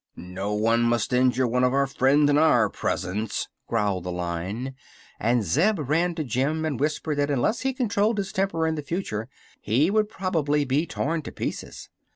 "No one must injure one of our friends in our presence," growled the Lion; and Zeb ran to Jim and whispered that unless he controlled his temper in the future he would probably be torn to pieces.